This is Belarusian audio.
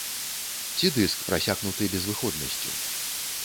Ці дыск, прасякнуты безвыходнасцю.